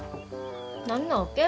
何なわけ？